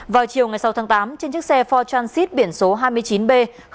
vào chiều ngày sáu tháng tám trên chiếc xe bốn transit biển số hai mươi chín b sáu nghìn chín trăm năm mươi sáu